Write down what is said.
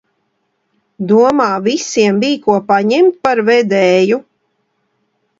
Domā, visiem bija, ko paņemt par vedēju?